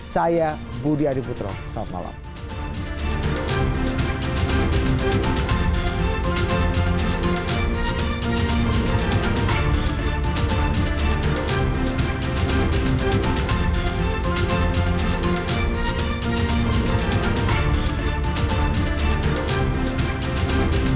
saya budi adiputro selamat malam